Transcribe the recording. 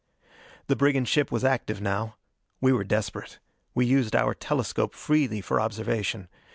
The brigand ship was active now. We were desperate: we used our telescope freely for observation.